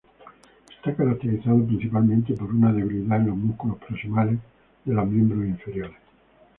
Está caracterizado principalmente por una debilidad en los músculos proximales de los miembros inferiores.